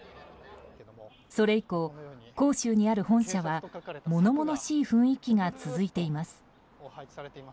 それ以降、広州にある本社は物々しい雰囲気が続いています。